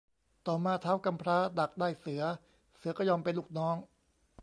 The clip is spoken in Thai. ต่อมาท้าวกำพร้าดักได้เสือ เสือก็ยอมเป็นลูกน้อง